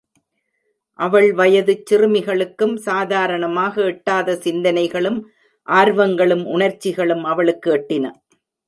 அவள் வயதுச் சிறுமிகளுக்கும் சாதாரணமாக எட்டாத சிந்தனைகளும், ஆர்வங்களும், உணர்ச்சிகளும் அவளுக்கு எட்டின.